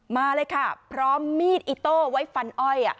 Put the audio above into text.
มาเลยค่ะพร้อมมีดอิโต้ไว้ฟันอ้อย